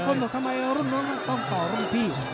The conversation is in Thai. คือหลายคนต้องทำไมร่วมน้องมันต้องก่อร่วมพี่